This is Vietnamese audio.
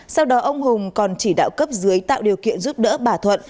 sau đó ông hùng còn chỉ đạo cấp dưới tạo điều kiện giúp đỡ bà thuận